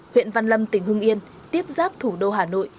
huyện văn lâm tỉnh hưng yên tiếp giáp thủ đô hà nội